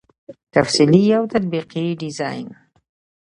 تفصیلي او تطبیقي ډيزاين